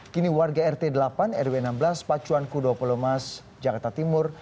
kini warga rt delapan rw enam belas pacuan kudo polemas jakarta timur